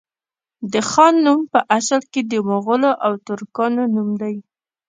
د خان نوم په اصل کي د مغولو او ترکانو نوم دی